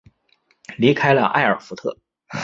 离开了艾尔福特。